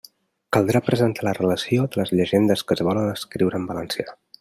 Caldrà presentar la relació de les llegendes que es volen escriure en valencià.